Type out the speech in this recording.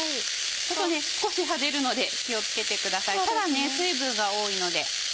少し跳ねるので気を付けてください。たら水分が多いので。